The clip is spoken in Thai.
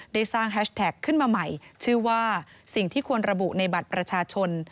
ได้สร้างแฮชแท็กขึ้นมาใหม่ชื่อว่าสิ่งที่ควรระบุในบัตรประชาชน